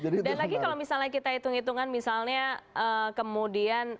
dan lagi kalau misalnya kita hitung hitungan misalnya kemudian